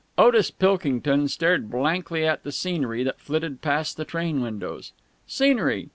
Otis Pilkington stared blankly at the scenery that flitted past the train windows. (Scenery!